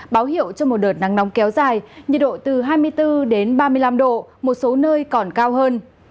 báo hiệu cho một đợt nắng nóng kéo dài nhiệt độ từ hai mươi bốn đến ba mươi năm độ một số nơi còn cao hơn